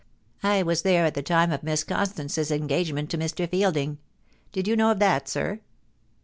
I was there at the time of Miss Con stance's engagement to Mr. Fielding. Did you know ot that, sir